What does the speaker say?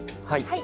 はい。